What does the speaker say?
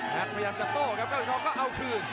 ครับพยายามจับโต้ครับเก้าเหรียญทองก็เอาคืน